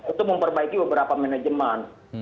itu memperbaiki beberapa manajemen